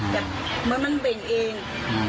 จะเป็นแบบโดยมันเบ่งเอง